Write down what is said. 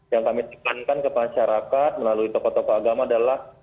yang kami tekankan ke masyarakat melalui tokoh tokoh agama adalah